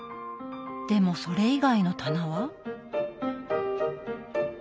でもそれ以外の棚は。